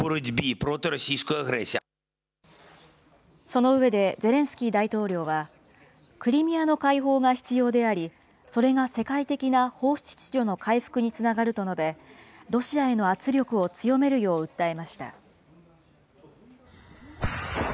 その上で、ゼレンスキー大統領は、クリミアの解放が必要であり、それが世界的な法秩序の回復につながると述べ、ロシアへの圧力を強めるよう訴えました。